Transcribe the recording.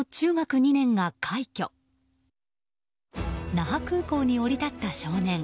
那覇空港に降り立った少年。